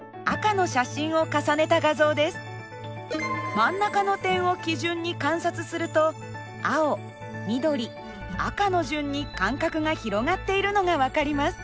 真ん中の点を基準に観察すると青緑赤の順に間隔が広がっているのが分かります。